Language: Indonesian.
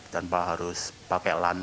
tanpa harus pakai lan